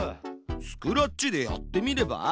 スクラッチでやってみれば？